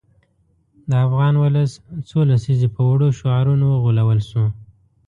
د افغان ولس څو لسیزې په وړو شعارونو وغولول شو.